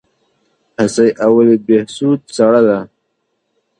حصه اول بهسود سړه ده؟